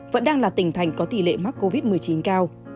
vẫn đang là tỉnh thành có tỷ lệ mắc covid một mươi chín cao